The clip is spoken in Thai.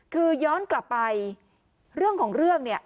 คือย้อนกลับไปเรื่องของเรื่องเนี่ย